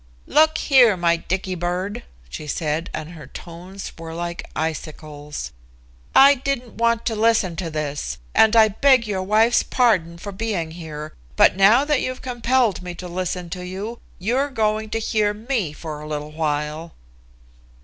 "Look here, my Dicky bird," she said, and her tones were like icicles. "I didn't want to listen to this, and I beg your wife's pardon for being here, but now that you've compelled me to listen to you, you're going to hear me for a little while."